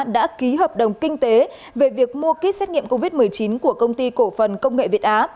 đã ký hợp đồng kinh tế về việc mua kit xét nghiệm covid một mươi chín của công ty cổ phần công nghệ việt á